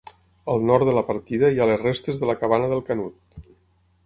Al nord de la partida hi ha les restes de la Cabana del Canut.